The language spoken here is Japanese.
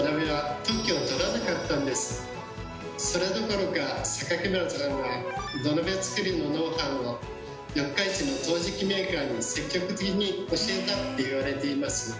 それどころか原さんは土鍋作りのノウハウを四日市の陶磁器メーカーに積極的に教えたって言われています。